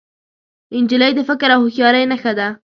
نجلۍ د فکر او هوښیارۍ نښه ده.